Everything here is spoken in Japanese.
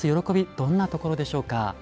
どんなところでしょうか。